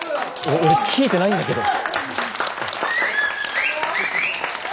俺聞いてないんだけど。